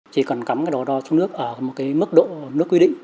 chỉ cần cắm đo đo xuống nước ở mức độ nước quy định